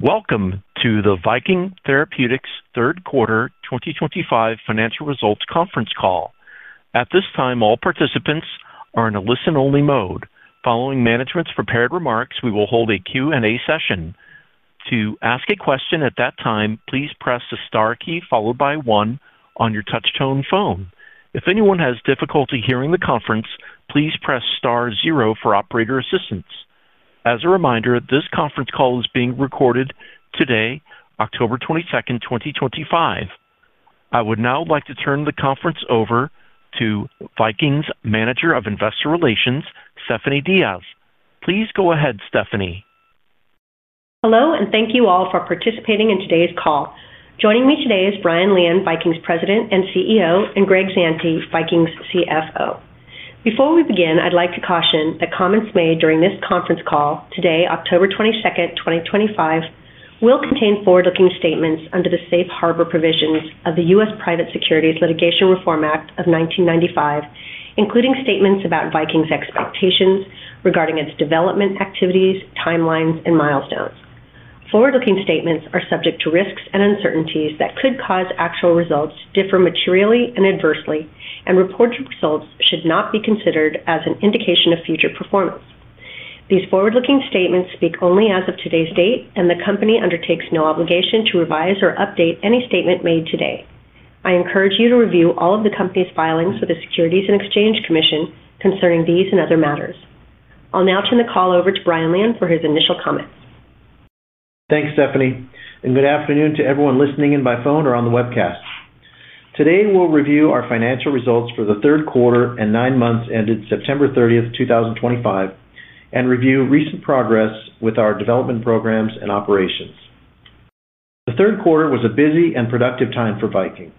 Welcome to the Viking Therapeutics third quarter 2025 financial results conference call. At this time, all participants are in a listen-only mode. Following management's prepared remarks, we will hold a Q&A session. To ask a question at that time, please press the star key followed by one on your touch-tone phone. If anyone has difficulty hearing the conference, please press star zero for operator assistance. As a reminder, this conference call is being recorded today, October 22nd, 2025. I would now like to turn the conference over to Viking's Manager of Investor Relations, Stephanie Diaz. Please go ahead, Stephanie. Hello, and thank you all for participating in today's call. Joining me today is Brian Lian, Viking's President and CEO, and Greg Zante, Viking's CFO. Before we begin, I'd like to caution that comments made during this conference call today, October 22nd, 2025, will contain forward-looking statements under the safe harbor provisions of the U.S. Private Securities Litigation Reform Act of 1995, including statements about Viking's expectations regarding its development activities, timelines, and milestones. Forward-looking statements are subject to risks and uncertainties that could cause actual results to differ materially and adversely, and reported results should not be considered as an indication of future performance. These forward-looking statements speak only as of today's date, and the company undertakes no obligation to revise or update any statement made today. I encourage you to review all of the company's filings with the Securities and Exchange Commission concerning these and other matters. I'll now turn the call over to Brian Lian for his initial comments. Thanks, Stephanie, and good afternoon to everyone listening in by phone or on the webcast. Today, we'll review our financial results for the third quarter and nine months ended September 30th, 2025, and review recent progress with our development programs and operations. The third quarter was a busy and productive time for Viking.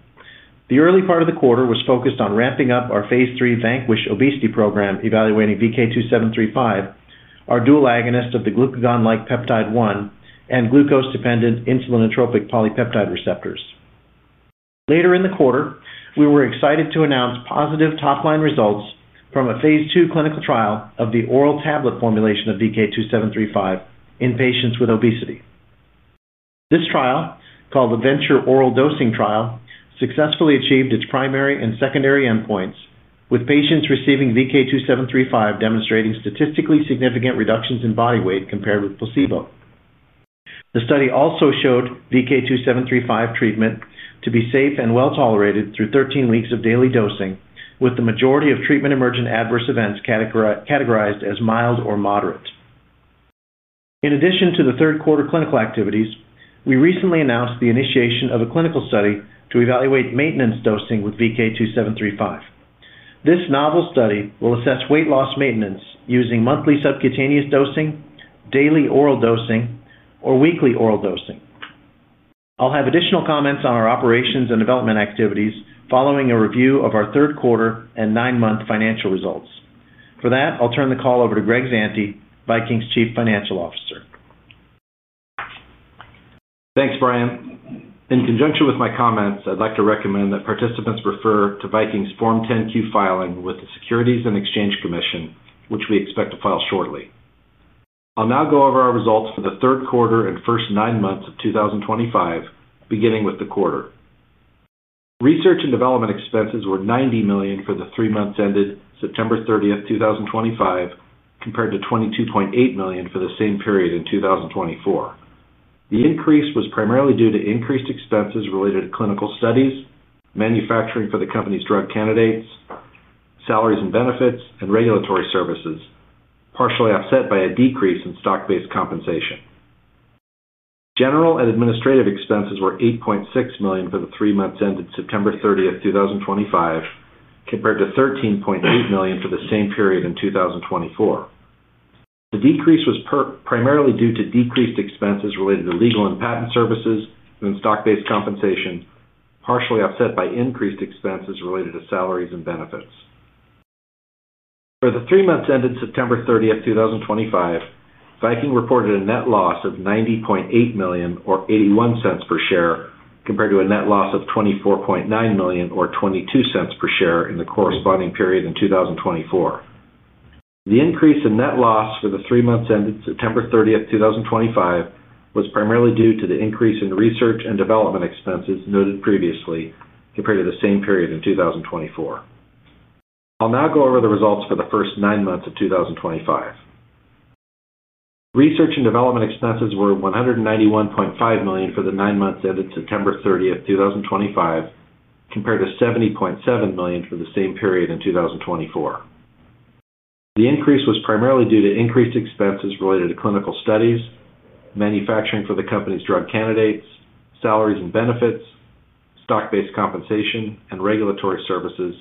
The early part of the quarter was focused on ramping up our Phase 3 VANQUISH Obesity Program, evaluating VK2735, our dual agonist of the glucagon-like peptide-1 and glucose-dependent insulinotropic polypeptide receptors. Later in the quarter, we were excited to announce positive top-line results from a Phase 2 clinical trial of the oral tablet formulation of VK2735 in patients with obesity. This trial, called the VENTURE-Oral Dosing Trial, successfully achieved its primary and secondary endpoints, with patients receiving VK2735 demonstrating statistically significant reductions in body weight compared with placebo. The study also showed VK2735 treatment to be safe and well-tolerated through 13 weeks of daily dosing, with the majority of treatment-emergent adverse events categorized as mild or moderate. In addition to the third quarter clinical activities, we recently announced the initiation of a clinical study to evaluate maintenance dosing with VK2735. This novel study will assess weight loss maintenance using monthly subcutaneous dosing, daily oral dosing, or weekly oral dosing. I'll have additional comments on our operations and development activities following a review of our third quarter and nine-month financial results. For that, I'll turn the call over to Greg Zante, Viking's Chief Financial Officer. Thanks, Brian. In conjunction with my comments, I'd like to recommend that participants refer to Viking's Form 10-Q filing with the Securities and Exchange Commission, which we expect to file shortly. I'll now go over our results for the third quarter and first nine months of 2025, beginning with the quarter. Research and development expenses were $90 million for the three months ended September 30th, 2025, compared to $22.8 million for the same period in 2024. The increase was primarily due to increased expenses related to clinical studies, manufacturing for the company's drug candidates, salaries and benefits, and regulatory services, partially offset by a decrease in stock-based compensation. General and administrative expenses were $8.6 million for the three months ended September 30th, 2025, compared to $13.8 million for the same period in 2024. The decrease was primarily due to decreased expenses related to legal and patent services and stock-based compensation, partially offset by increased expenses related to salaries and benefits. For the three months ended September 30th, 2025, Viking reported a net loss of $90.8 million or $0.81 per share, compared to a net loss of $24.9 million or $0.22 per share in the corresponding period in 2024. The increase in net loss for the three months ended September 30th, 2025, was primarily due to the increase in research and development expenses noted previously, compared to the same period in 2024. I'll now go over the results for the first nine months of 2025. Research and development expenses were $191.5 million for the nine months ended September 30th, 2025, compared to $70.7 million for the same period in 2024. The increase was primarily due to increased expenses related to clinical studies, manufacturing for the company's drug candidates, salaries and benefits, stock-based compensation, and regulatory services,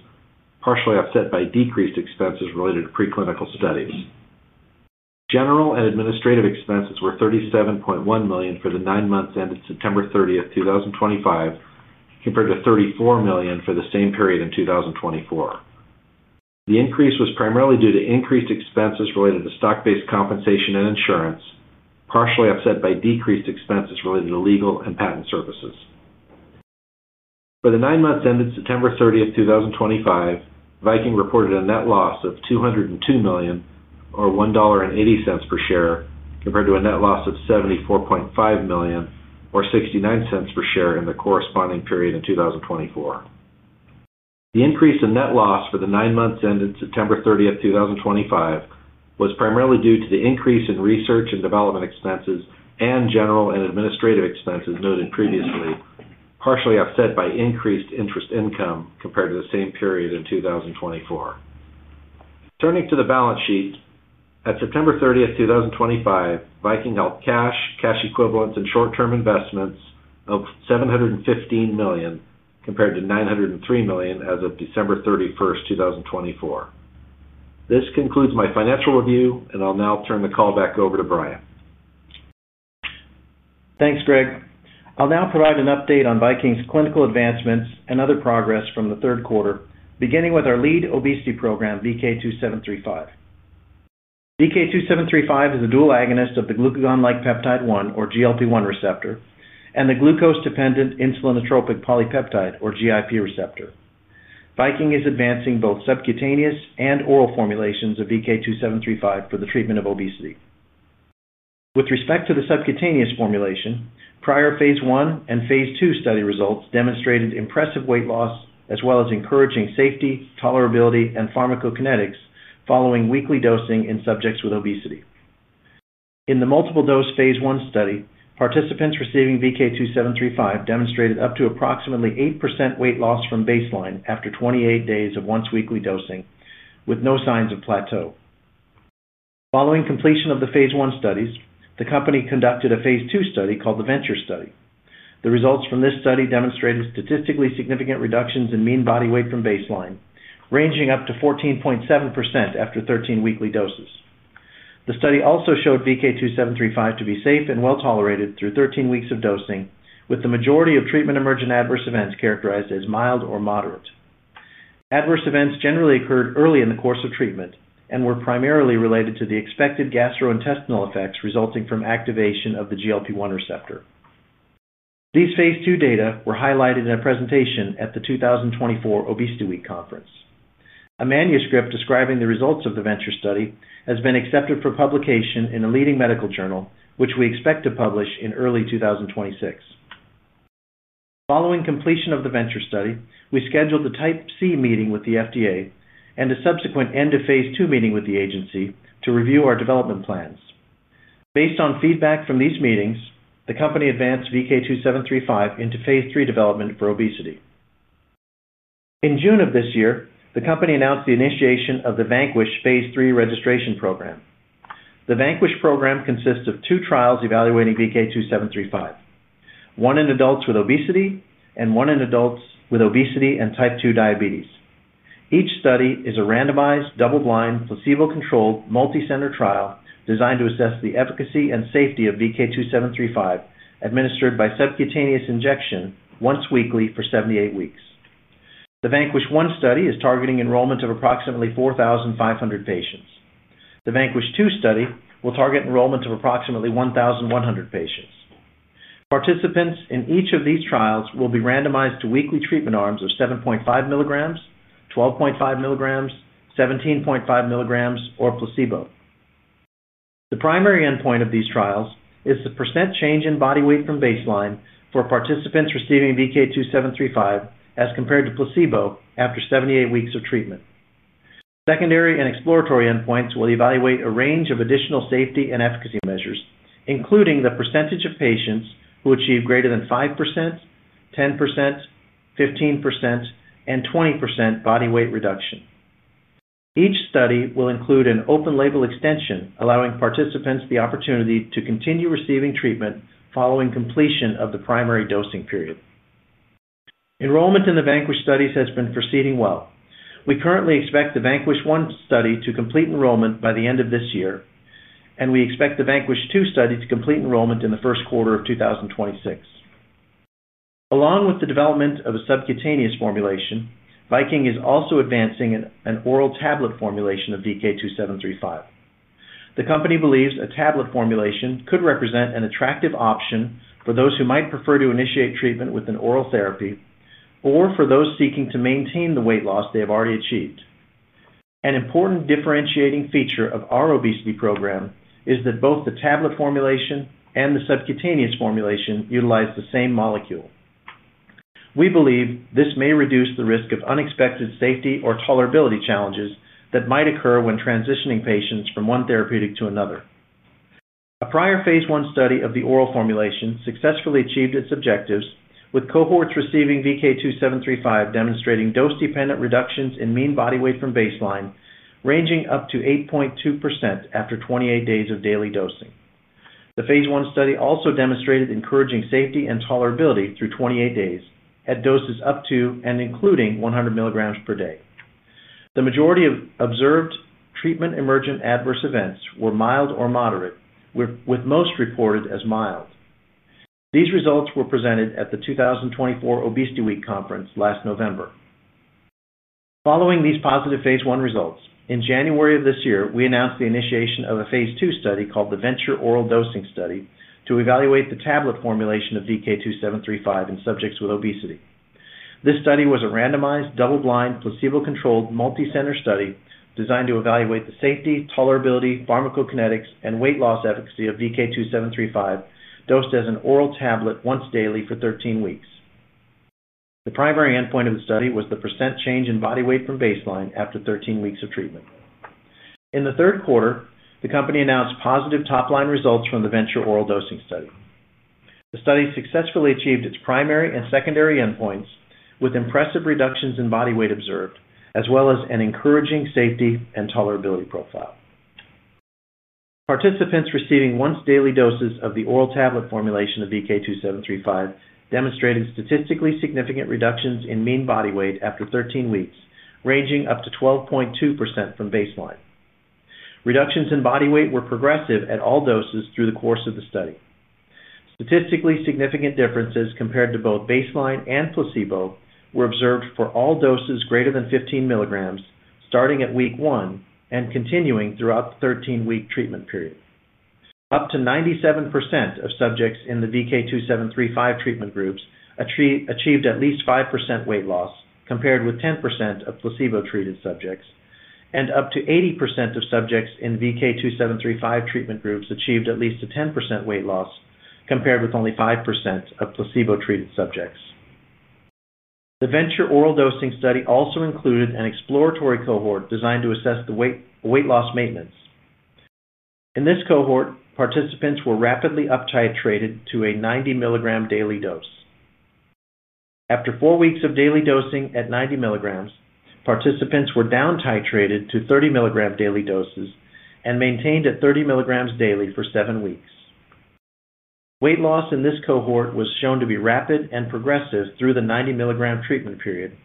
partially offset by decreased expenses related to preclinical studies. General and administrative expenses were $37.1 million for the nine months ended September 30th, 2025, compared to $34 million for the same period in 2024. The increase was primarily due to increased expenses related to stock-based compensation and insurance, partially offset by decreased expenses related to legal and patent services. For the nine months ended September 30th, 2025, Viking reported a net loss of $202 million or $1.80 per share, compared to a net loss of $74.5 million or $0.69 per share in the corresponding period in 2024. The increase in net loss for the nine months ended September 30th, 2025, was primarily due to the increase in research and development expenses and general and administrative expenses noted previously, partially offset by increased interest income compared to the same period in 2024. Turning to the balance sheet, at September 30th, 2025, Viking held cash, cash equivalents, and short-term investments of $715 million compared to $903 million as of December 31st, 2024. This concludes my financial review, and I'll now turn the call back over to Brian. Thanks, Greg. I'll now provide an update on Viking's clinical advancements and other progress from the third quarter, beginning with our lead obesity program, VK2735. VK2735 is a dual agonist of the glucagon-like peptide-1, or GLP-1, receptor and the glucose-dependent insulinotropic polypeptide, or GIP receptor. Viking is advancing both subcutaneous and oral formulations of VK2735 for the treatment of obesity. With respect to the subcutaneous formulation, prior Phase 1 and Phase 2 study results demonstrated impressive weight loss, as well as encouraging safety, tolerability, and pharmacokinetics following weekly dosing in subjects with obesity. In the multiple dose Phase 1 study, participants receiving VK2735 demonstrated up to approximately 8% weight loss from baseline after 28 days of once weekly dosing, with no signs of plateau. Following completion of the Phase 1 studies, the company conducted a Phase 2 study called the VENTURE study. The results from this study demonstrated statistically significant reductions in mean body weight from baseline, ranging up to 14.7% after 13 weekly doses. The study also showed VK2735 to be safe and well-tolerated through 13 weeks of dosing, with the majority of treatment-emergent adverse events characterized as mild or moderate. Adverse events generally occurred early in the course of treatment and were primarily related to the expected gastrointestinal effects resulting from activation of the GLP-1 receptor. These Phase 2 data were highlighted in a presentation at the 2024 ObesityWeek Conference. A manuscript describing the results the VENTURE study has been accepted for publication in a leading medical journal, which we expect to publish in early 2026. Following completion the VENTURE study, we scheduled a Type C meeting with the FDA and a subsequent end-of-Phase 2 meeting with the agency to review our development plans. Based on feedback from these meetings, the company advanced VK2735 into Phase 3 development for obesity. In June of this year, the company announced the initiation of the VANQUISH Phase 3 Registration Program. The VANQUISH program consists of two trials evaluating VK2735: one in adults with obesity and one in adults with obesity and type 2 diabetes. Each study is a randomized, double-blind, placebo-controlled, multicenter trial designed to assess the efficacy and safety of VK2735 administered by subcutaneous injection once weekly for 78 weeks. The VANQUISH-1 study is targeting enrollment of approximately 4,500 patients. The VANQUISH-2 study will target enrollment of approximately 1,100 patients. Participants in each of these trials will be randomized to weekly treatment arms of 7.5 mg, 12.5 mg, 17.5 mg, or placebo. The primary endpoint of these trials is the % change in body weight from baseline for participants receiving VK2735 as compared to placebo after 78 weeks of treatment. Secondary and exploratory endpoints will evaluate a range of additional safety and efficacy measures, including the percentage of patients who achieve greater than 5%, 10%, 15%, and 20% body weight reduction. Each study will include an open label extension, allowing participants the opportunity to continue receiving treatment following completion of the primary dosing period. Enrollment in the VANQUISH studies has been proceeding well. We currently expect the VANQUISH-1 study to complete enrollment by the end of this year, and we expect the VANQUISH-2 study to complete enrollment in the first quarter of 2026. Along with the development of a subcutaneous formulation, Viking is also advancing an oral tablet formulation of VK2735. The company believes a tablet formulation could represent an attractive option for those who might prefer to initiate treatment with an oral therapy or for those seeking to maintain the weight loss they have already achieved. An important differentiating feature of our obesity program is that both the tablet formulation and the subcutaneous formulation utilize the same molecule. We believe this may reduce the risk of unexpected safety or tolerability challenges that might occur when transitioning patients from one therapeutic to another. A prior Phase 1 study of the oral formulation successfully achieved its objectives, with cohorts receiving VK2735 demonstrating dose-dependent reductions in mean body weight from baseline, ranging up to 8.2% after 28 days of daily dosing. The Phase 1 study also demonstrated encouraging safety and tolerability through 28 days at doses up to and including 100 mg per day. The majority of observed treatment-emergent adverse events were mild or moderate, with most reported as mild. These results were presented at the 2024 ObesityWeek Conference last November. Following these positive Phase 1 results, in January of this year, we announced the initiation of a Phase 2 study called the VENTURE-Oral Dosing Study to evaluate the tablet formulation of VK2735 in subjects with obesity. This study was a randomized, double-blind, placebo-controlled, multicenter study designed to evaluate the safety, tolerability, pharmacokinetics, and weight loss efficacy of VK2735 dosed as an oral tablet once daily for 13 weeks. The primary endpoint of the study was the % change in body weight from baseline after 13 weeks of treatment. In the third quarter, the company announced positive top-line results from the VENTURE-Oral Dosing Study. The study successfully achieved its primary and secondary endpoints with impressive reductions in body weight observed, as well as an encouraging safety and tolerability profile. Participants receiving once daily doses of the oral tablet formulation of VK2735 demonstrated statistically significant reductions in mean body weight after 13 weeks, ranging up to 12.2% from baseline. Reductions in body weight were progressive at all doses through the course of the study. Statistically significant differences compared to both baseline and placebo were observed for all doses greater than 15 mg, starting at week one and continuing throughout the 13-week treatment period. Up to 97% of subjects in the VK2735 treatment groups achieved at least 5% weight loss, compared with 10% of placebo-treated subjects, and up to 80% of subjects in VK2735 treatment groups achieved at least a 10% weight loss, compared with only 5% of placebo-treated subjects. The VENTURE-Oral Dosing Study also included an exploratory cohort designed to assess the weight loss maintenance. In this cohort, participants were rapidly up-titrated to a 90 mg daily dose. After four weeks of daily dosing at 90 mg, participants were down-titrated to 30 mg daily doses and maintained at 30 mg daily for seven weeks. Weight loss in this cohort was shown to be rapid and progressive through the 90 mg treatment period,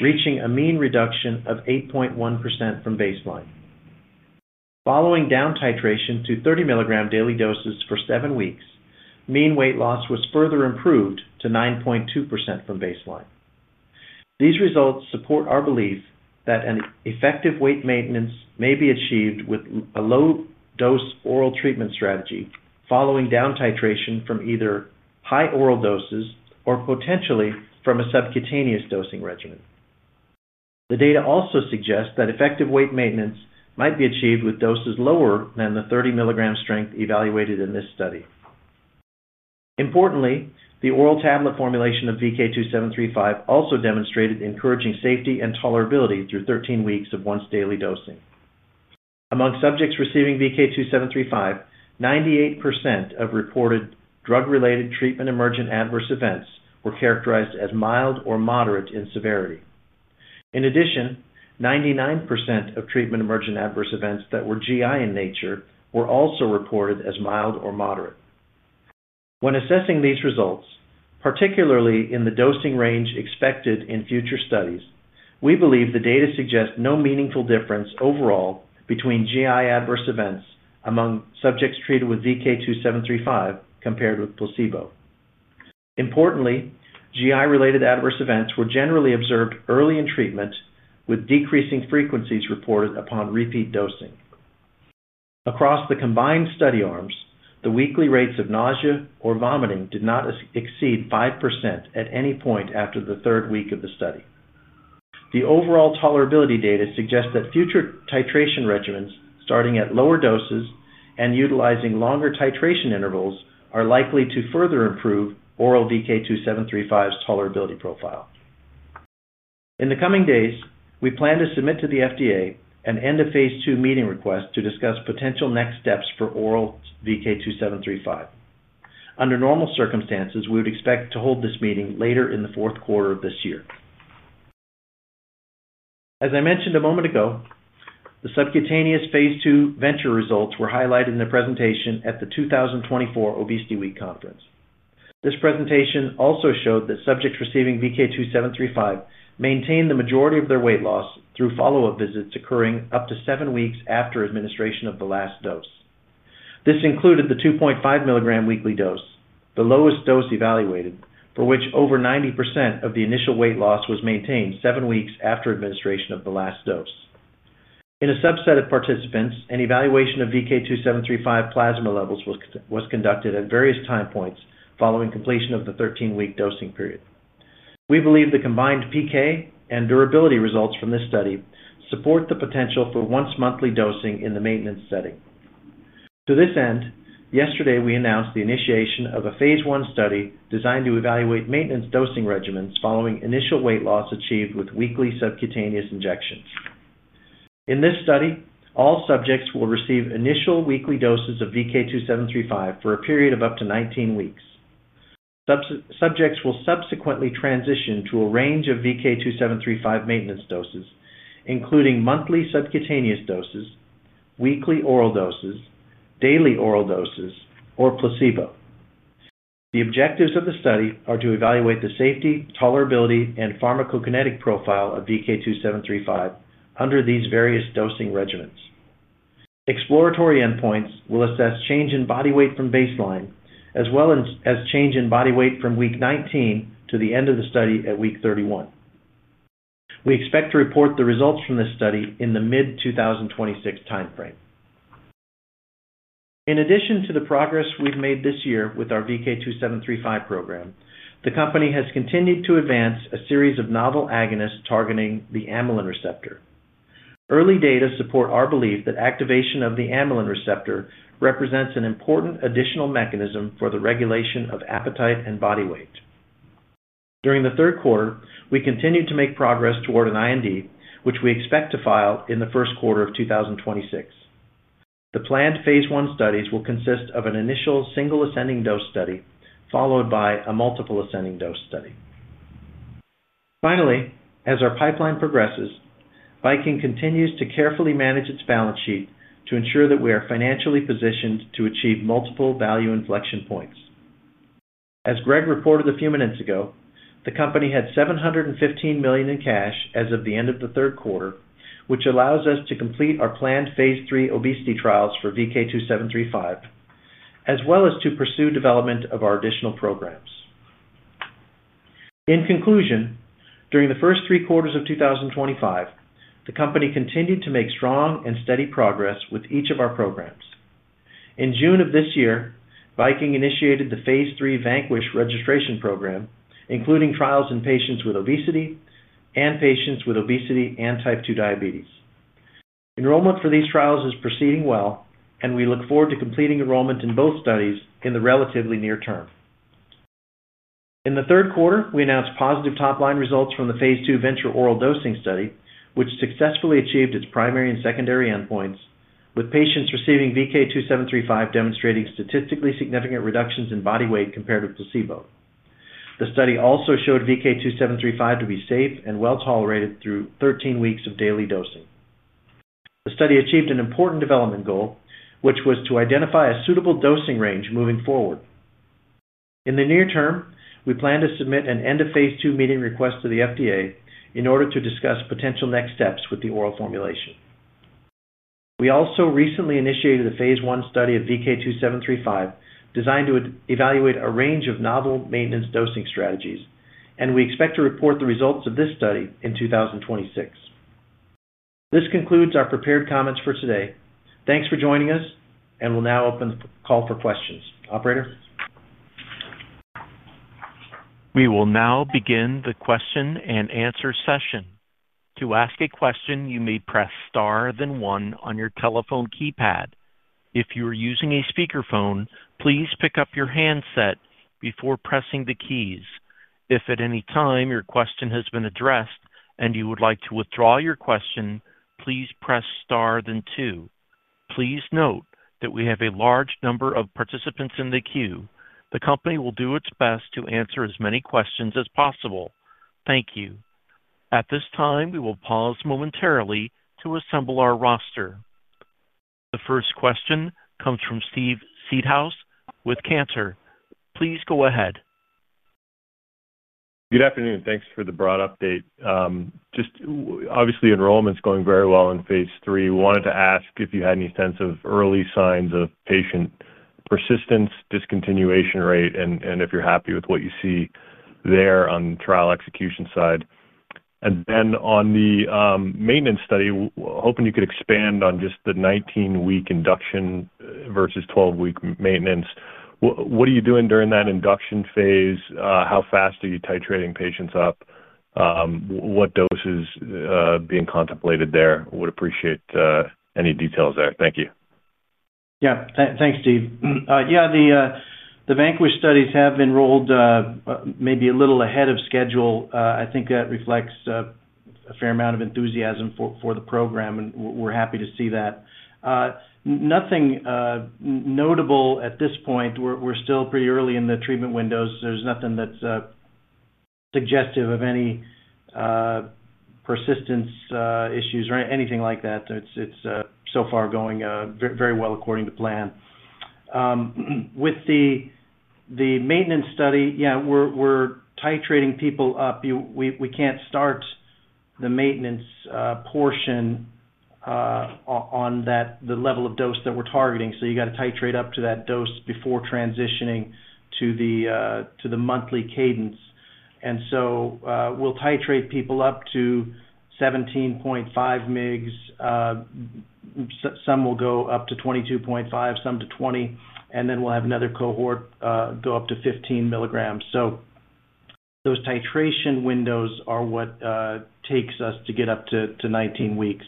reaching a mean reduction of 8.1% from baseline. Following down-titration to 30 mg daily doses for seven weeks, mean weight loss was further improved to 9.2% from baseline. These results support our belief that effective weight maintenance may be achieved with a low-dose oral treatment strategy following down-titration from either high oral doses or potentially from a subcutaneous dosing regimen. The data also suggests that effective weight maintenance might be achieved with doses lower than the 30 mg strength evaluated in this study. Importantly, the oral tablet formulation of VK2735 also demonstrated encouraging safety and tolerability through 13 weeks of once daily dosing. Among subjects receiving VK2735, 98% of reported drug-related treatment-emergent adverse events were characterized as mild or moderate in severity. In addition, 99% of treatment-emergent adverse events that were GI in nature were also reported as mild or moderate. When assessing these results, particularly in the dosing range expected in future studies, we believe the data suggest no meaningful difference overall between GI adverse events among subjects treated with VK2735 compared with placebo. Importantly, GI-related adverse events were generally observed early in treatment, with decreasing frequencies reported upon repeat dosing. Across the combined study arms, the weekly rates of nausea or vomiting did not exceed 5% at any point after the third week of the study. The overall tolerability data suggests that future titration regimens, starting at lower doses and utilizing longer titration intervals, are likely to further improve Oral VK2735's tolerability profile. In the coming days, we plan to submit to the FDA an end-of-Phase 2 meeting request to discuss potential next steps for Oral VK2735. Under normal circumstances, we would expect to hold this meeting later in the fourth quarter of this year. As I mentioned a moment ago, the two VENTURE-Oral Dosing study results were highlighted in the presentation at the 2024 Obesity Week Conference. This presentation also showed that subjects receiving VK2735 maintained the majority of their weight loss through follow-up visits occurring up to seven weeks after administration of the last dose. This included the 2.5 mg weekly dose, the lowest dose evaluated, for which over 90% of the initial weight loss was maintained seven weeks after administration of the last dose. In a subset of participants, an evaluation of VK2735 plasma levels was conducted at various time points following completion of the 13-week dosing period. We believe the combined PK and durability results from this study support the potential for once monthly dosing in the maintenance setting. To this end, yesterday we announced the initiation of a Phase 1 study designed to evaluate maintenance dosing regimens following initial weight loss achieved with weekly subcutaneous injections. In this study, all subjects will receive initial weekly doses of VK2735 for a period of up to 19 weeks. Subjects will subsequently transition to a range of VK2735 maintenance doses, including monthly subcutaneous doses, weekly oral doses, daily oral doses, or placebo. The objectives of the study are to evaluate the safety, tolerability, and pharmacokinetic profile of VK2735 under these various dosing regimens. Exploratory endpoints will assess change in body weight from baseline, as well as change in body weight from week 19 to the end of the study at week 31. We expect to report the results from this study in the mid-2026 timeframe. In addition to the progress we've made this year with our VK2735 program, the company has continued to advance a series of novel agonists targeting the amylin receptor. Early data support our belief that activation of the amylin receptor represents an important additional mechanism for the regulation of appetite and body weight. During the third quarter, we continue to make progress toward an IND, which we expect to file in the first quarter of 2026. The planned Phase 1 studies will consist of an initial single ascending dose study, followed by a multiple ascending dose study. Finally, as our pipeline progresses, Viking continues to carefully manage its balance sheet to ensure that we are financially positioned to achieve multiple value inflection points. As Greg reported a few minutes ago, the company had $715 million in cash as of the end of the third quarter, which allows us to complete our planned Phase 3 obesity trials for VK2735, as well as to pursue development of our additional programs. In conclusion, during the first three quarters of 2025, the company continued to make strong and steady progress with each of our programs. In June of this year, Viking initiated the Phase 3 VANQUISH Registration Program, including trials in patients with obesity and patients with obesity and type 2 diabetes. Enrollment for these trials is proceeding well, and we look forward to completing enrollment in both studies in the relatively near term. In the third quarter, we announced positive top-line results from the Phase 2 VENTURE-Oral Dosing Study, which successfully achieved its primary and secondary endpoints, with patients receiving VK2735 demonstrating statistically significant reductions in body weight compared with placebo. The study also showed VK2735 to be safe and well-tolerated through 13 weeks of daily dosing. The study achieved an important development goal, which was to identify a suitable dosing range moving forward. In the near term, we plan to submit an end-of-Phase 2 meeting request to the FDA in order to discuss potential next steps with the oral formulation. We also recently initiated a Phase 1 study of VK2735 designed to evaluate a range of novel maintenance dosing strategies, and we expect to report the results of this study in 2026. This concludes our prepared comments for today. Thanks for joining us, and we'll now open the call for questions. Operator. We will now begin the question and answer session. To ask a question, you may press star then one on your telephone keypad. If you are using a speakerphone, please pick up your handset before pressing the keys. If at any time your question has been addressed and you would like to withdraw your question, please press star then two. Please note that we have a large number of participants in the queue. The company will do its best to answer as many questions as possible. Thank you. At this time, we will pause momentarily to assemble our roster. The first question comes from Steve Seedhouse with Cantor. Please go ahead. Good afternoon. Thanks for the broad update. Obviously, enrollment's going very well in Phase 3. We wanted to ask if you had any sense of early signs of patient persistence, discontinuation rate, and if you're happy with what you see there on the trial execution side. On the maintenance study, hoping you could expand on just the 19-week induction versus 12-week maintenance. What are you doing during that induction phase? How fast are you titrating patients up? What doses are being contemplated there? We would appreciate any details there. Thank you. Yeah. Thanks, Steve. Yeah, the VANQUISH studies have enrolled maybe a little ahead of schedule. I think that reflects a fair amount of enthusiasm for the program, and we're happy to see that. Nothing notable at this point. We're still pretty early in the treatment window, so there's nothing that's suggestive of any persistence issues or anything like that. It's so far going very well according to plan. With the maintenance study, yeah, we're titrating people up. We can't start the maintenance portion on the level of dose that we're targeting, so you got to titrate up to that dose before transitioning to the monthly cadence. We'll titrate people up to 17.5 mg. Some will go up to 22.5 mg, some to 20 mg, and then we'll have another cohort go up to 15 mg. Those titration windows are what takes us to get up to 19 weeks,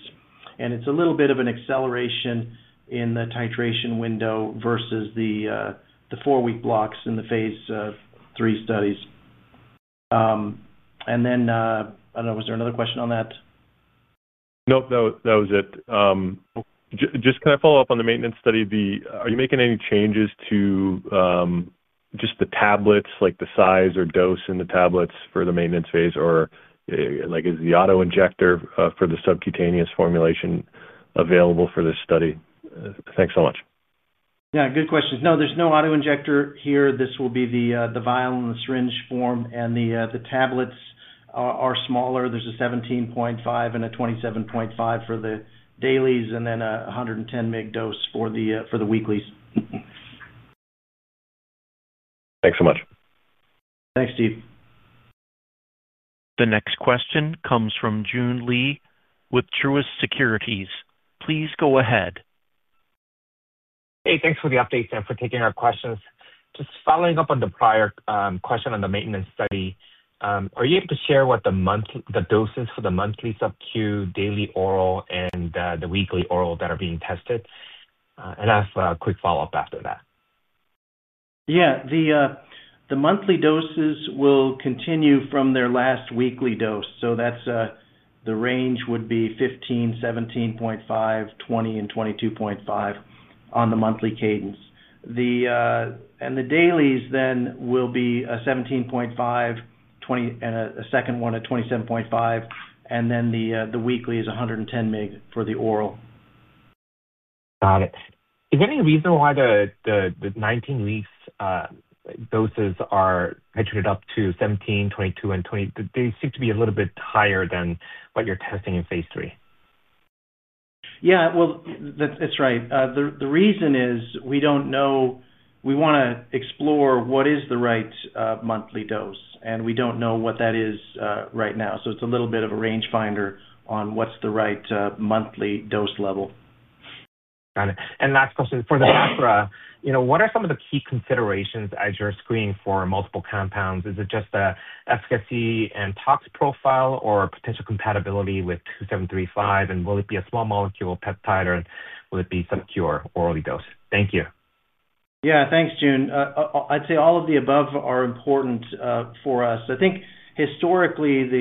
and it's a little bit of an acceleration in the titration window versus the four-week blocks in the Phase 3 studies. I don't know. Was there another question on that? Nope, that was it. Just can I follow up on the maintenance study? Are you making any changes to just the tablets, like the size or dose in the tablets for the maintenance phase, or is the auto-injector for the subcutaneous formulation available for this study? Thanks so much. Good question. No, there's no auto-injector here. This will be the vial and the syringe form, and the tablets are smaller. There's a 17.5 mg and a 27.5 mg for the dailies, and then a 110 mg dose for the weeklies. Thanks so much. Thanks, Steve. The next question comes from Joon Lee with Truist Securities. Please go ahead. Hey, thanks for the updates and for taking our questions. Just following up on the prior question on the maintenance study, are you able to share what the doses for the monthly sub-Q, daily oral, and the weekly oral that are being tested? I have a quick follow-up after that. The monthly doses will continue from their last weekly dose. The range would be 15 mg, 17.5 mg, 20 mg, and 22.5 mg on the monthly cadence. The dailies then will be 17.5 mg, 20 mg, and a second one at 27.5 mg, and the weekly is 110 mg for the oral. Is there any reason why the 19-week doses are titrated up to 17 mg, 22 mg, and 20 mg? They seem to be a little bit higher than what you're testing in Phase 3. That's right. The reason is we don't know. We want to explore what is the right monthly dose, and we don't know what that is right now. It's a little bit of a range finder on what's the right monthly dose level. Got it. Last question for the background. What are some of the key considerations as you're screening for multiple compounds? Is it just the efficacy and tox profile or potential compatibility with VK2735? Will it be a small molecule, peptide, or will it be subcutaneous or orally dosed? Thank you. Yeah. Thanks, Joon. I'd say all of the above are important for us. I think historically,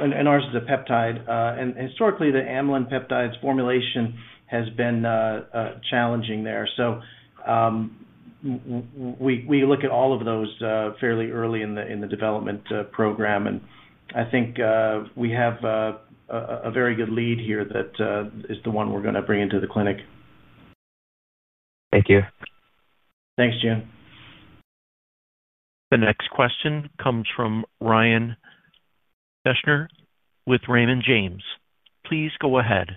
ours is a peptide, and historically, the amylin peptides formulation has been challenging there. We look at all of those fairly early in the development program. I think we have a very good lead here that is the one we're going to bring into the clinic. Thank you. Thanks, Joon. The next question comes from Ryan Deschner with Raymond James. Please go ahead.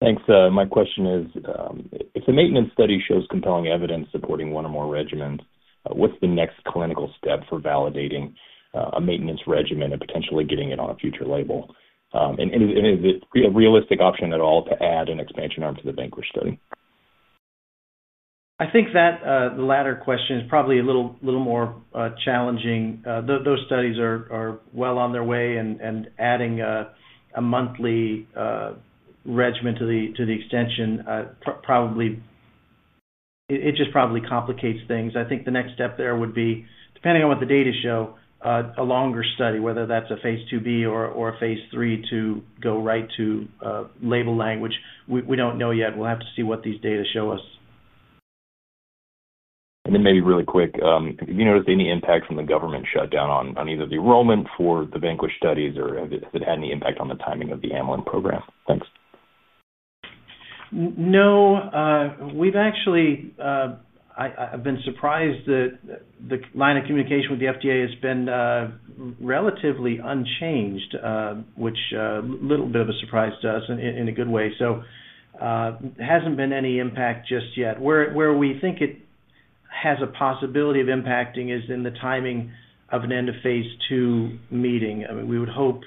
Thanks. My question is, if the maintenance study shows compelling evidence supporting one or more regimens, what's the next clinical step for validating a maintenance regimen and potentially getting it on a future label? Is it a realistic option at all to add an expansion arm to the VANQUISH study? I think that the latter question is probably a little more challenging. Those studies are well on their way, and adding a monthly regimen to the extension probably complicates things. I think the next step there would be, depending on what the data show, a longer study, whether that's a Phase 2b or a Phase 3 to go right to label language. We don't know yet. We'll have to see what these data show us. Have you noticed any impact from the government shutdown on either the enrollment for the VANQUISH studies, or has it had any impact on the timing of the amylin program? Thanks. No. I've actually been surprised that the line of communication with the FDA has been relatively unchanged, which is a little bit of a surprise to us in a good way. There hasn't been any impact just yet. Where we think it has a possibility of impacting is in the timing of an end-of-Phase 2 meeting. We would hope,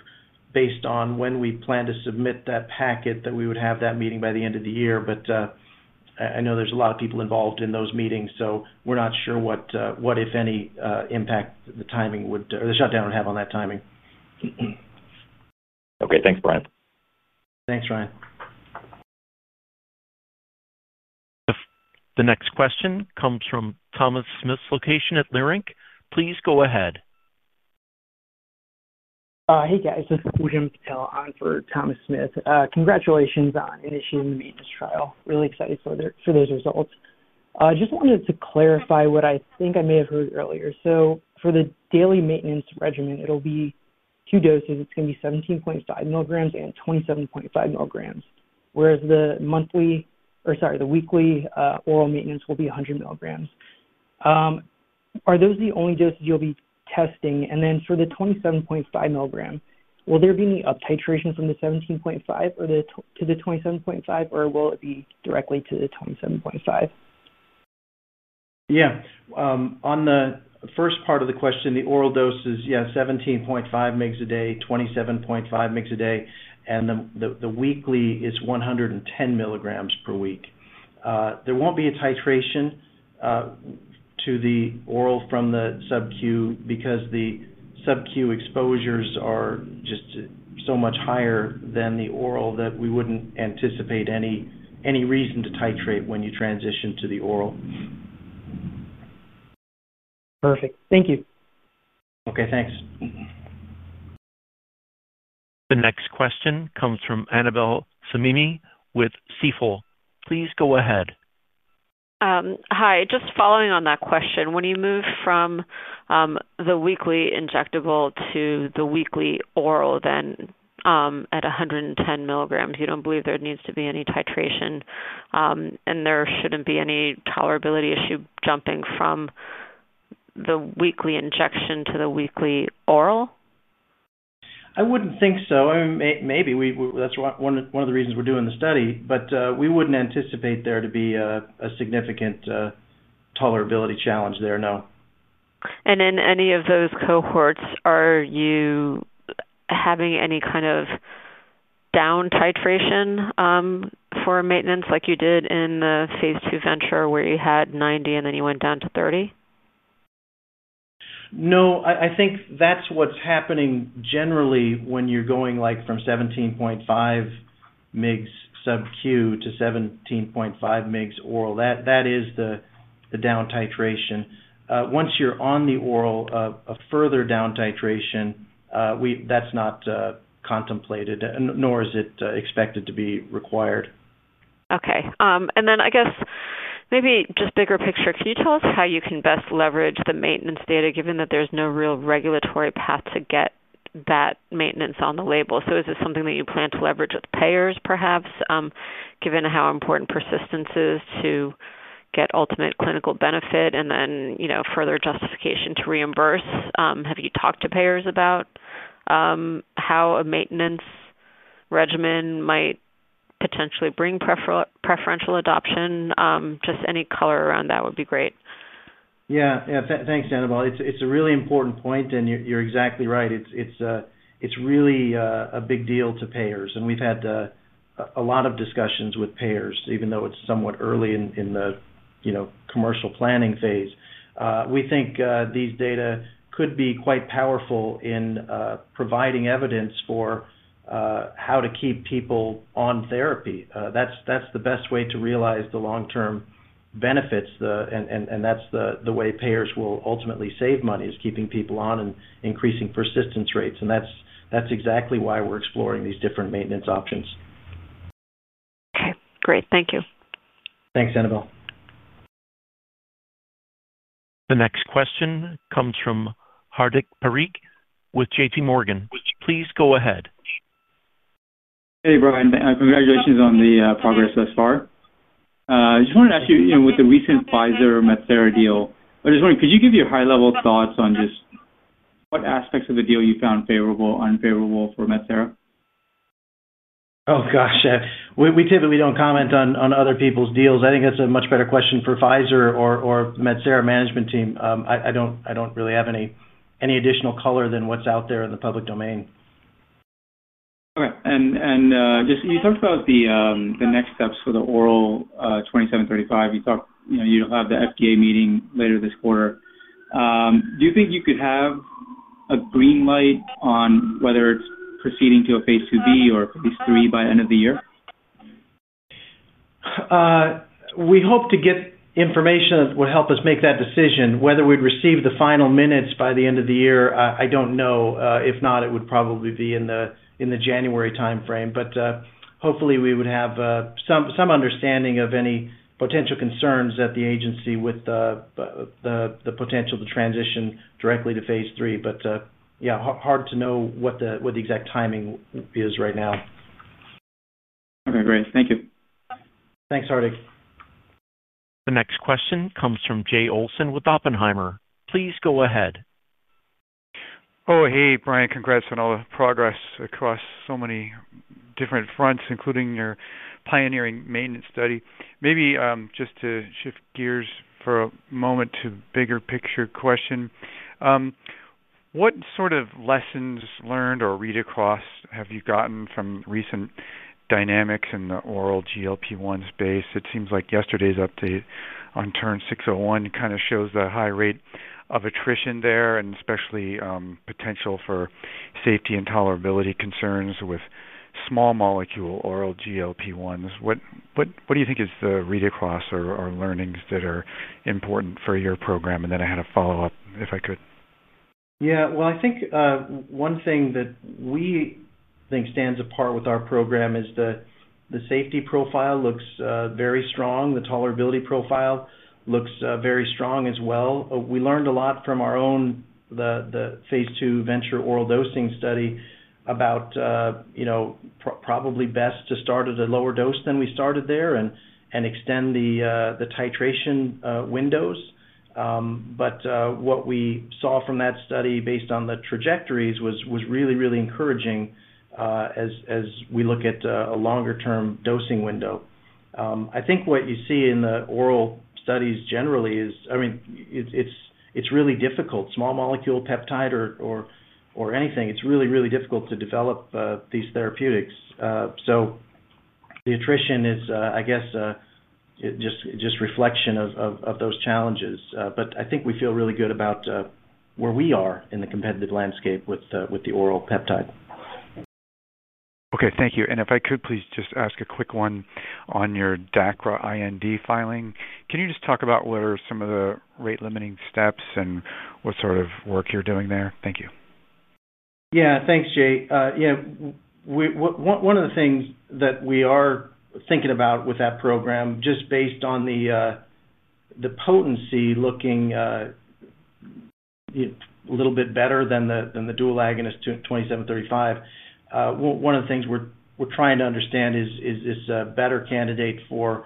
based on when we plan to submit that packet, that we would have that meeting by the end of the year. I know there's a lot of people involved in those meetings, so we're not sure what, if any, impact the timing would or the shutdown would have on that timing. Okay. Thanks, Brian. Thanks, Ryan. The next question comes from Thomas Smith at Leerink. Please go ahead. Hey, guys. This is Kushal Patel on for Thomas Smith. Congratulations on initiating the maintenance trial. Really excited for those results. I just wanted to clarify what I think I may have heard earlier. For the daily maintenance regimen, it'll be two doses. It's going to be 17.5 mg and 27.5 mg, whereas the weekly oral maintenance will be 100 mg. Are those the only doses you'll be testing? For the 27.5 mg, will there be any up-titration from the 17.5 mg to the 27.5 mg, or will it be directly to the 27.5 mg? Yeah, on the first part of the question, the oral doses, yeah, 17.5 mg a day, 27.5 mg a day, and the weekly is 110 mg per week. There won't be a titration to the oral from the subcutaneous because the subcutaneous exposures are just so much higher than the oral that we wouldn't anticipate any reason to titrate when you transition to the oral. Perfect. Thank you. Okay. Thanks. The next question comes from Annabel Samimy with Stifel. Please go ahead. Hi. Just following on that question, when you move from the weekly injectable to the weekly oral, then at 110 mg, you don't believe there needs to be any titration, and there shouldn't be any tolerability issue jumping from the weekly injection to the weekly oral? I wouldn't think so. I mean, maybe that's one of the reasons we're doing the study, but we wouldn't anticipate there to be a significant tolerability challenge there, no. In any of those cohorts, are you having any kind of down-titration for maintenance like you did in Phase 2 VENTURE where you had 90 mg and then you went down to 30 mg? No. I think that's what's happening generally when you're going from 17.5 mg subcutaneous to 17.5 mg oral. That is the down-titration. Once you're on the oral, a further down-titration is not contemplated, nor is it expected to be required. Okay, and then I guess maybe just bigger picture, can you tell us how you can best leverage the maintenance data given that there's no real regulatory path to get that maintenance on the label? Is this something that you plan to leverage with payers, perhaps, given how important persistence is to get ultimate clinical benefit and then further justification to reimburse? Have you talked to payers about how a maintenance regimen might potentially bring preferential adoption? Just any color around that would be great. Yeah. Yeah. Thanks, Annabel. It's a really important point, and you're exactly right. It's really a big deal to payers, and we've had a lot of discussions with payers, even though it's somewhat early in the commercial planning phase. We think these data could be quite powerful in providing evidence for how to keep people on therapy. That's the best way to realize the long-term benefits, and that's the way payers will ultimately save money, keeping people on and increasing persistence rates. That's exactly why we're exploring these different maintenance options. Okay. Great. Thank you. Thanks, Annabel. The next question comes from Hardik Parikh with JPMorgan. Please go ahead. Hey, Brian. Congratulations on the progress thus far. I just wanted to ask you, with the recent Pfizer-Metsera deal, I was just wondering, could you give your high-level thoughts on just what aspects of the deal you found favorable or unfavorable for Metsera? We typically don't comment on other people's deals. I think that's a much better question for Pfizer or the Metsera management team. I don't really have any additional color than what's out there in the public domain. Okay. You talked about the next steps for the oral VK2735. You said you'll have the FDA meeting later this quarter. Do you think you could have a green light on whether it's proceeding to a Phase 2b or a Phase 3 by the end of the year? We hope to get information that will help us make that decision. Whether we'd receive the final minutes by the end of the year, I don't know. If not, it would probably be in the January timeframe. Hopefully, we would have some understanding of any potential concerns at the agency with the potential to transition directly to Phase 3. It's hard to know what the exact timing is right now. Okay. Great. Thank you. Thanks, Hardik. The next question comes from Jay Olson with Oppenheimer. Please go ahead. Oh, hey, Brian. Congrats on all the progress across so many different fronts, including your pioneering maintenance study. Maybe just to shift gears for a moment to a bigger picture question, what sort of lessons learned or read across have you gotten from recent dynamics in the oral GLP-1 space? It seems like yesterday's update on TERN-601 kind of shows the high rate of attrition there, especially potential for safety and tolerability concerns with small molecule oral GLP-1s. What do you think is the read across or learnings that are important for your program? I had a follow-up, if I could. I think one thing that we think stands apart with our program is the safety profile looks very strong. The tolerability profile looks very strong as well. We learned a lot from our own Phase 2 VENTURE-Oral Dosing Study about, you know, probably best to start at a lower dose than we started there and extend the titration windows. What we saw from that study based on the trajectories was really, really encouraging as we look at a longer-term dosing window. I think what you see in the oral studies generally is, I mean, it's really difficult. Small molecule peptide or anything, it's really, really difficult to develop these therapeutics. The attrition is, I guess, just a reflection of those challenges. I think we feel really good about where we are in the competitive landscape with the oral peptide. Okay. Thank you. If I could, please just ask a quick one on your DACRA IND filing. Can you just talk about what are some of the rate-limiting steps and what sort of work you're doing there? Thank you. Yeah. Thanks, Jay. One of the things that we are thinking about with that program, just based on the potency looking a little bit better than the dual agonist VK2735, one of the things we're trying to understand is this a better candidate for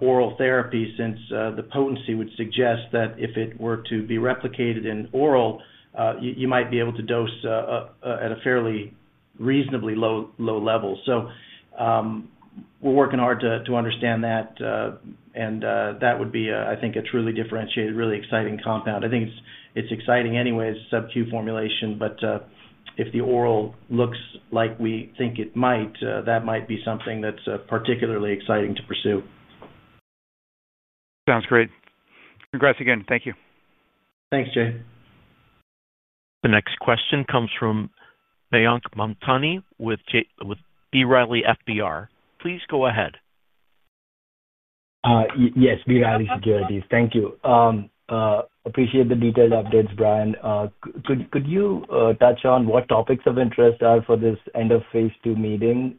oral therapy since the potency would suggest that if it were to be replicated in oral, you might be able to dose at a fairly reasonably low level. We're working hard to understand that, and that would be, I think, a truly differentiated, really exciting compound. I think it's exciting anyways, subcutaneous formulation. If the oral looks like we think it might, that might be something that's particularly exciting to pursue. Sounds great. Congrats again. Thank you. Thanks, Jay. The next question comes from Mayank Mamtani with B. Riley FBR. Please go ahead. Yes. B. Riley Securities. Thank you. Appreciate the detailed updates, Brian. Could you touch on what topics of interest are for this end-of-Phase 2 meeting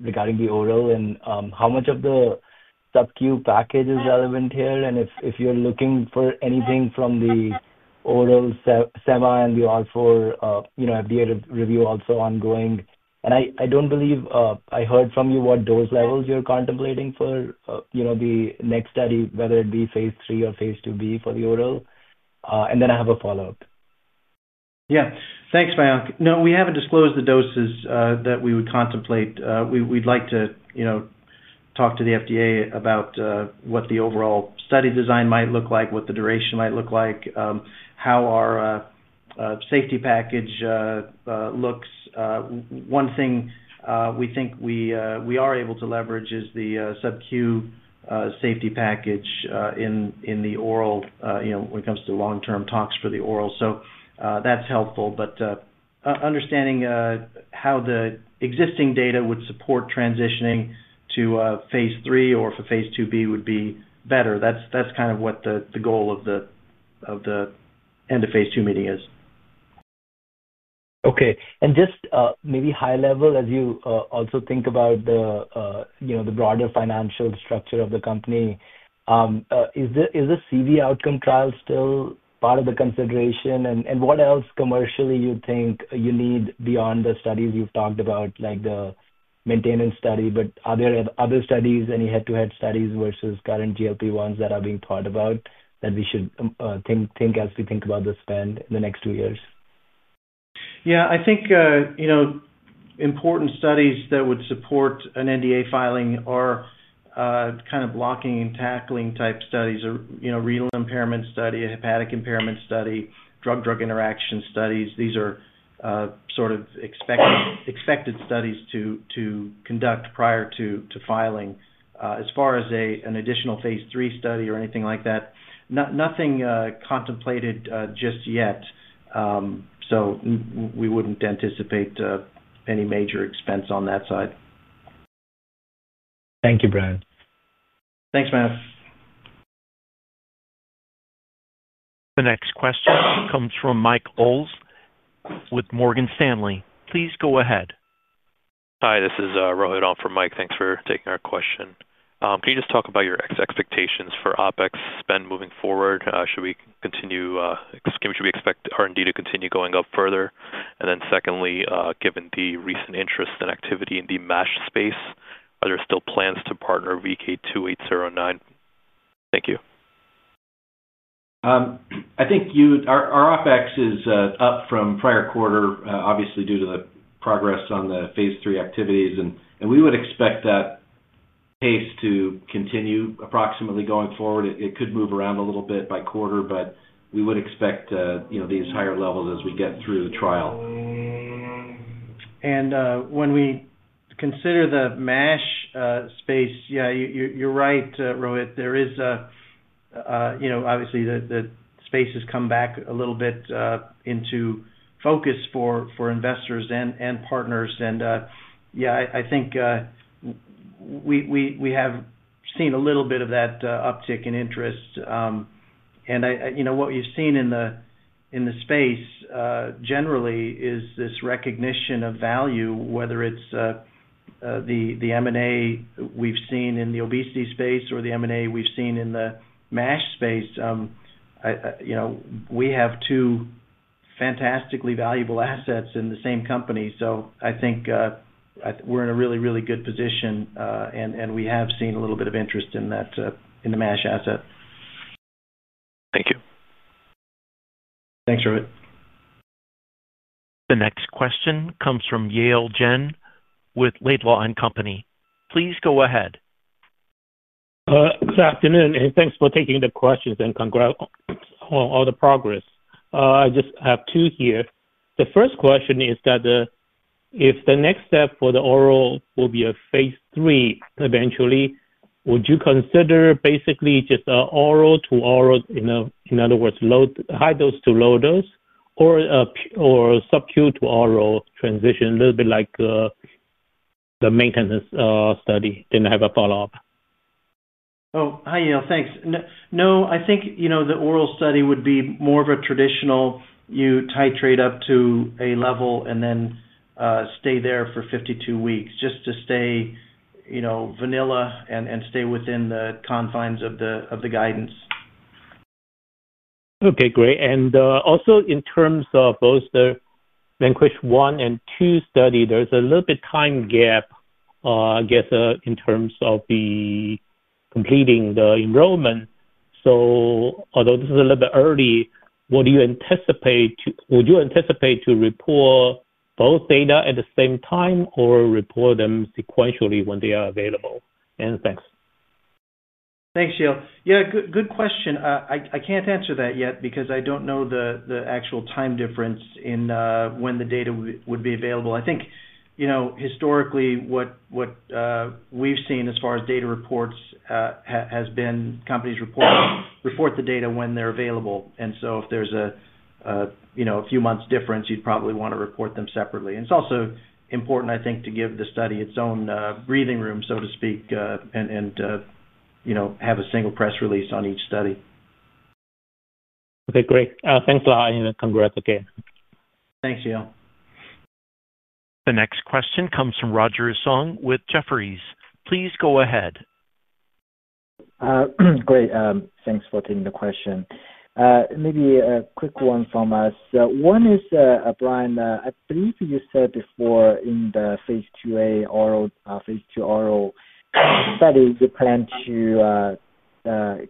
regarding the oral and how much of the sub-Q package is relevant here? If you're looking for anything from the oral semi and the all four, you know, FDA review also ongoing. I don't believe I heard from you what dose levels you're contemplating for, you know, the next study, whether it be Phase 3 or Phase 2b for the oral. I have a follow-up. Yeah. Thanks, Brian. No, we haven't disclosed the doses that we would contemplate. We'd like to, you know, talk to the FDA about what the overall study design might look like, what the duration might look like, how our safety package looks. One thing we think we are able to leverage is the sub-Q safety package in the oral, you know, when it comes to long-term tox for the oral. That's helpful. Understanding how the existing data would support transitioning to Phase 3 or for Phase 2b would be better. That's kind of what the goal of the end-of-Phase 2 meeting is. Okay. As you also think about the broader financial structure of the company, is the CV outcome trial still part of the consideration? What else commercially do you think you need beyond the studies you've talked about, like the maintenance study? Are there other studies and head-to-head studies versus current GLP-1s that are being thought about that we should think about as we think about the spend in the next two years? I think important studies that would support an NDA filing are kind of blocking and tackling type studies, a renal impairment study, a hepatic impairment study, drug-drug interaction studies. These are sort of expected studies to conduct prior to filing. As far as an additional Phase 3 study or anything like that, nothing contemplated just yet. We wouldn't anticipate any major expense on that side. Thank you, Brian. Thanks, Mayank. The next question comes from Mike Olson with Morgan Stanley. Please go ahead. Hi. This is Rohit on for Mike. Thanks for taking our question. Can you just talk about your expectations for OpEx spend moving forward? Should we expect R&D to continue going up further? Secondly, given the recent interest in activity in the MASH space, are there still plans to partner VK2809? Thank you. I think our OpEx is up from prior quarter, obviously, due to the progress on the Phase 3 activities. We would expect that pace to continue approximately going forward. It could move around a little bit by quarter, but we would expect these higher levels as we get through the trial. When we consider the MASH space, yeah, you're right, Rohit. Obviously, the space has come back a little bit into focus for investors and partners. I think we have seen a little bit of that uptick in interest. What you've seen in the space generally is this recognition of value, whether it's the M&A we've seen in the obesity space or the M&A we've seen in the MASH space. We have two fantastically valuable assets in the same company. I think we're in a really, really good position, and we have seen a little bit of interest in the MASH asset. Thank you. Thanks, Rohit. The next question comes from Yale Jen with Laidlaw & Company. Please go ahead. Good afternoon. Thanks for taking the questions and congrats on all the progress. I just have two here. The first question is that if the next step for the oral will be a Phase 3 eventually, would you consider basically just an oral to oral, in other words, high dose to low dose, or a sub-Q to oral transition, a little bit like the maintenance study? I have a follow-up. Oh, hi, Yale. Thanks. No, I think the oral study would be more of a traditional you titrate up to a level and then stay there for 52 weeks, just to stay, you know, vanilla and stay within the confines of the guidance. Okay. Great. Also, in terms of both the VANQUISH-1 and 2 study, there's a little bit of a time gap, I guess, in terms of completing the enrollment. Although this is a little bit early, what do you anticipate? Would you anticipate to report both data at the same time or report them sequentially when they are available? Thanks. Thanks, Yale. Good question. I can't answer that yet because I don't know the actual time difference in when the data would be available. I think, you know, historically, what we've seen as far as data reports has been companies report the data when they're available. If there's a few months difference, you'd probably want to report them separately. It's also important, I think, to give the study its own breathing room, so to speak, and have a single press release on each study. Okay, great. Thanks a lot, and congrats. Okay. Thanks, Yale. The next question comes from Roger Song with Jefferies. Please go ahead. Great. Thanks for taking the question. Maybe a quick one from us. One is, Brian, I believe you said before in the Phase 2 oral study, you plan to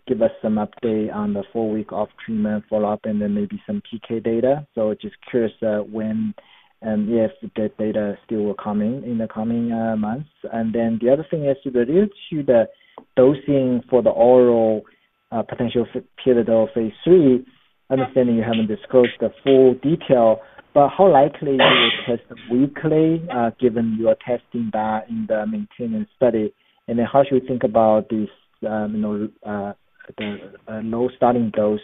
give us some update on the four-week off-treatment follow-up and then maybe some PK data. Just curious when and if the data still will come in in the coming months. The other thing is related to the dosing for the oral potential pivotal Phase 3, understanding you haven't disclosed the full detail, but how likely you will test weekly given you are testing that in the maintenance study? How should we think about this, you know, the low starting dose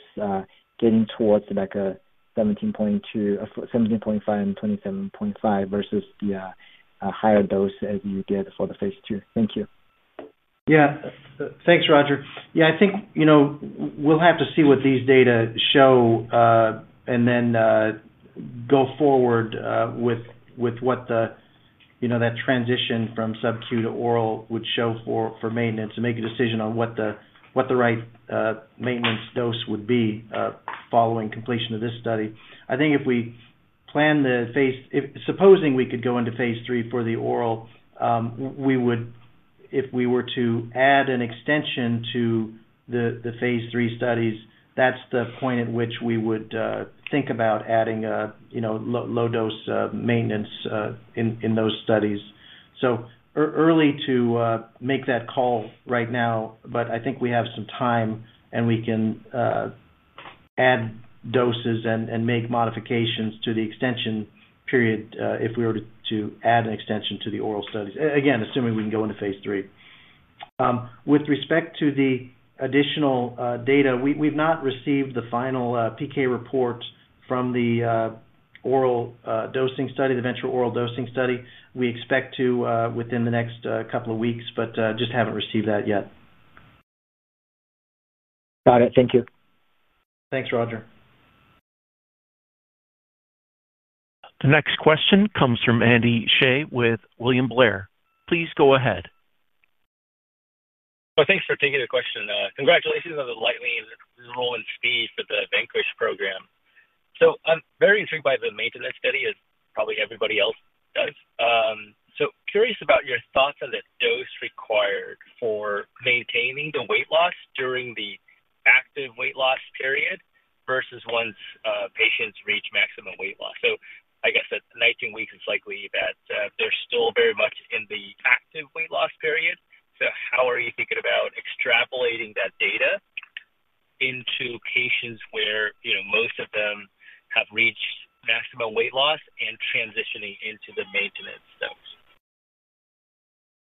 getting towards like a 17.2 mg, 17.5 mg, and 27.5 mg versus the higher dose as you did for the Phase 2? Thank you. Yeah. Thanks, Roger. I think we'll have to see what these data show and then go forward with what the, you know, that transition from subcutaneous to oral would show for maintenance and make a decision on what the right maintenance dose would be following completion of this study. I think if we plan the phase, supposing we could go into Phase 3 for the oral, we would, if we were to add an extension to the Phase 3 studies, that's the point at which we would think about adding a low-dose maintenance in those studies. It's early to make that call right now, but I think we have some time, and we can add doses and make modifications to the extension period if we were to add an extension to the oral studies, again, assuming we can go into Phase 3. With respect to the additional data, we've not received the final PK report from the oral dosing study, the VENTURE-Oral Dosing Study. We expect to within the next couple of weeks, but just haven't received that yet. Got it. Thank you. Thanks, Roger. The next question comes from Andy Hsieh with William Blair. Please go ahead. Thank you for taking the question. Congratulations on the lightning enrollment for the VANQUISH Program. I'm very intrigued by the maintenance study as probably everybody else is. I'm curious about your thoughts on the dose required for maintaining the weight loss during the active weight loss period versus once patients reach maximum weight loss. I guess at 19 weeks, it's likely that they're still very much in the active weight loss period. How are you thinking about extrapolating that data into patients where most of them have reached maximum weight loss and transitioning into the maintenance dose?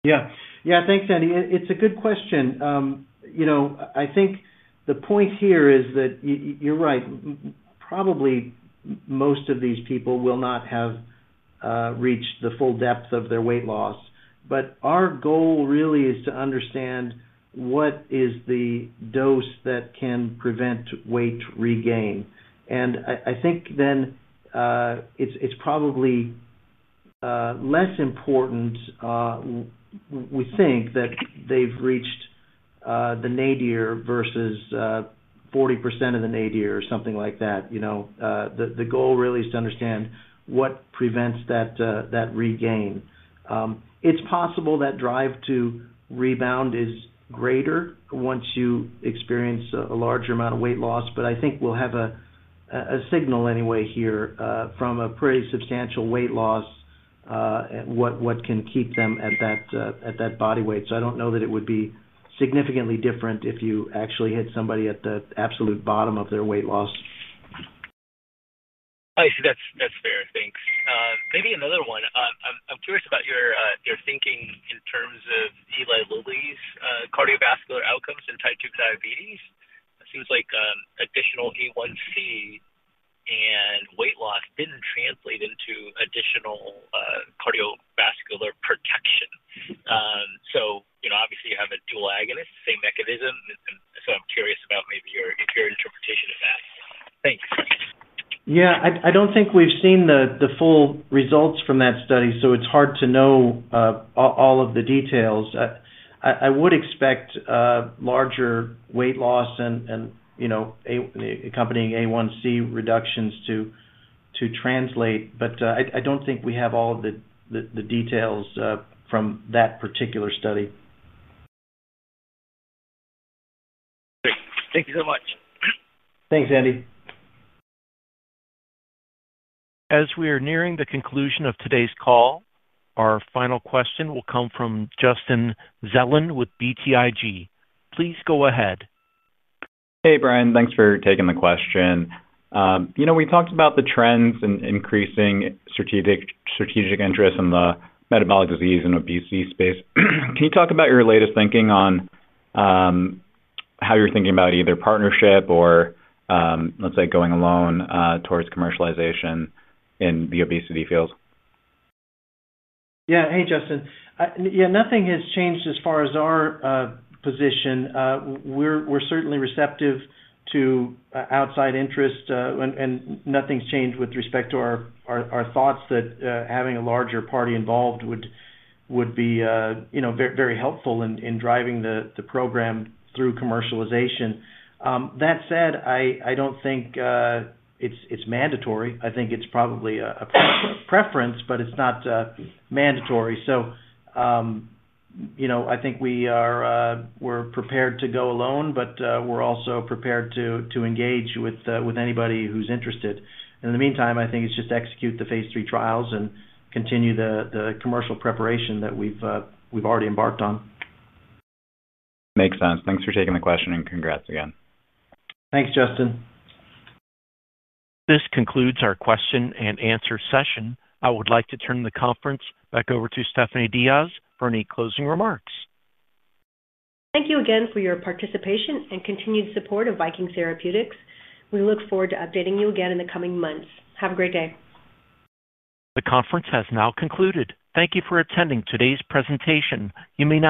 Yeah. Yeah. Thanks, Andy. It's a good question. I think the point here is that you're right. Probably most of these people will not have reached the full depth of their weight loss. Our goal really is to understand what is the dose that can prevent weight regain. I think then it's probably less important. We think that they've reached the nadir versus 40% of the nadir or something like that. The goal really is to understand what prevents that regain. It's possible that drive to rebound is greater once you experience a larger amount of weight loss, but I think we'll have a signal anyway here from a pretty substantial weight loss and what can keep them at that body weight. I don't know that it would be significantly different if you actually hit somebody at the absolute bottom of their weight loss. I see. That's fair. Thanks. Maybe another one. I'm curious about your thinking in terms of Eli Lilly's cardiovascular outcomes in type 2 diabetes. It seems like additional A1C and weight loss didn't translate into additional cardiovascular protection. Obviously, you have a dual agonist, same mechanism. I'm curious about maybe your interpretation of that. Thanks. I don't think we've seen the full results from that study, so it's hard to know all of the details. I would expect larger weight loss and accompanying A1C reductions to translate, but I don't think we have all of the details from that particular study. Great. Thank you so much. Thanks, Andy. As we are nearing the conclusion of today's call, our final question will come from Justin Zelin with BTIG. Please go ahead. Hey, Brian. Thanks for taking the question. You know, we talked about the trends and increasing strategic interest in the metabolic disease and obesity space. Can you talk about your latest thinking on how you're thinking about either partnership or, let's say, going alone towards commercialization in the obesity field? Yeah. Hey, Justin. Nothing has changed as far as our position. We're certainly receptive to outside interest, and nothing's changed with respect to our thoughts that having a larger party involved would be, you know, very helpful in driving the program through commercialization. That said, I don't think it's mandatory. I think it's probably a preference, but it's not mandatory. We're prepared to go alone, but we're also prepared to engage with anybody who's interested. In the meantime, I think it's just to execute the Phase 3 trials and continue the commercial preparation that we've already embarked on. Makes sense. Thanks for taking the question, and congrats again. Thanks, Justin. This concludes our question and answer session. I would like to turn the conference back over to Stephanie Diaz for any closing remarks. Thank you again for your participation and continued support of Viking Therapeutics. We look forward to updating you again in the coming months. Have a great day. The conference has now concluded. Thank you for attending today's presentation. You may.